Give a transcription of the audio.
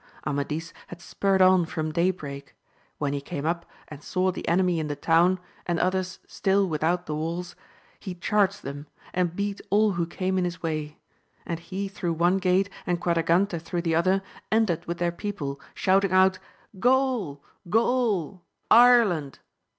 Amadis had spurred on from daybreak; when he came up and saw the enemy in the town, and others still without the walls, he charged them, and beat all who came in his way ; and he through one gate, and Quadragante through the other, entered with their people, shouting out, G aul ! Gaul ! Ireland